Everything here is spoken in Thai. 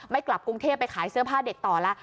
กลับกรุงเทพไปขายเสื้อผ้าเด็กต่อแล้ว